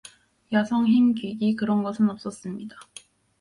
야성? 힘? 귀기? 그런 것은 없었습니다.